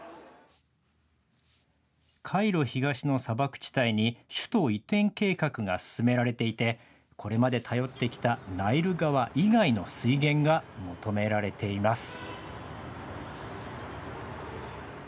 カイロ東の砂漠地帯に首都移転計画が進められていてこれまで頼ってきたナイル川以外の水源が求められています。